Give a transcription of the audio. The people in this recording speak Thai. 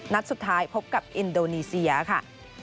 นัดสุดท้ายพบกับอินโดนีเซียค่ะ